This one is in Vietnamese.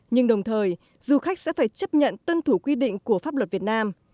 nhưng đồng thời du khách sẽ phải chấp nhận tuân thủ quy định của pháp luật việt nam